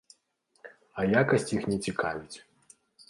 А якасць іх не цікавіць.